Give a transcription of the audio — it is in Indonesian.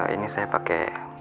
ini saya pake